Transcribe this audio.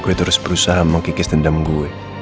gue terus berusaha mengkikis dendam gue